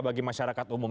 bagi masyarakat umum